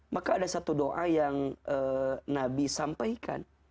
maka ada satu doa yang nabi sampaikan